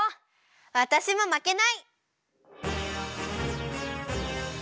わたしもまけない！